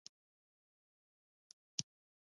پاچا تل په عجولانه ټوګه پرېکړه کوي.